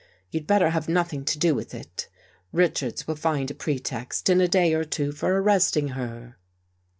You'd better have nothing to do with it. Richards will find a pretext in a day or two for ar resting her."